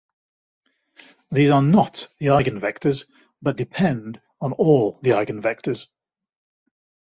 These are "not" the eigenvectors, but "depend" on "all" the eigenvectors.